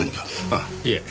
あっいえ。